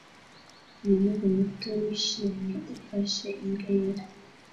Umuhungu muto wishimye ufashe imbwa yera